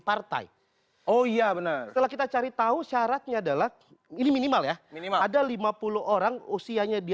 partai oh iya benar setelah kita cari tahu syaratnya adalah ini minimal ya minimal ada lima puluh orang usianya di